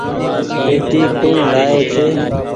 پيتي ڪوڻ لآيو ڇي ۔